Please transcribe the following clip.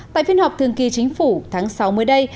tại phiên họp thường kỳ chính phủ tháng sáu mới đây